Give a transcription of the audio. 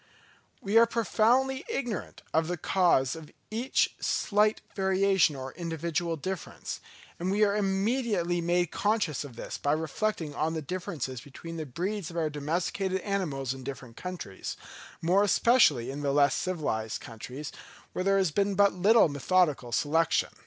We are profoundly ignorant of the cause of each slight variation or individual difference; and we are immediately made conscious of this by reflecting on the differences between the breeds of our domesticated animals in different countries, more especially in the less civilized countries, where there has been but little methodical selection.